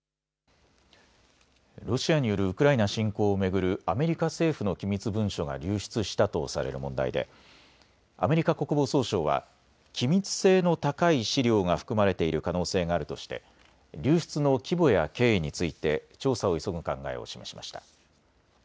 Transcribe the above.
ロシアによるウクライナ侵攻を巡るアメリカ政府の機密文書が流出したとされる問題でアメリカ国防総省は機密性の高い資料が含まれている可能性があるとして流出の規模や経緯について調査を急ぐ考えを示しました。